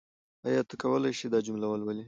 آیا ته کولای شې دا جمله ولولې؟